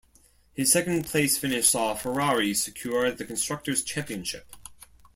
His second-place finish saw Ferrari secure the constructors' championship.